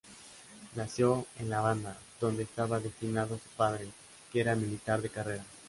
Nació en La Habana, donde estaba destinado su padre, que era militar de carrera.